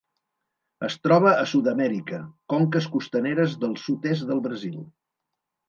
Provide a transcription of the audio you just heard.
Es troba a Sud-amèrica: conques costaneres del sud-est del Brasil.